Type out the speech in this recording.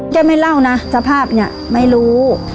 ไม่เล่านะสภาพเนี่ยไม่รู้